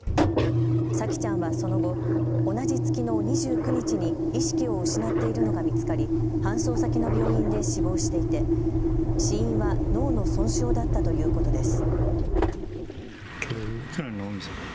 沙季ちゃんはその後、同じ月の２９日に意識を失っているのが見つかり搬送先の病院で死亡していて死因は脳の損傷だったということです。